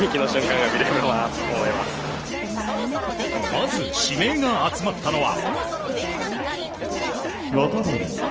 まず指名が集まったのは。